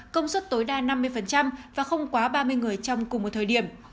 công suất tối đa năm mươi và không quá ba mươi người trong cùng một thời điểm